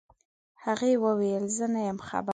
هغې وويل زه نه يم خبر.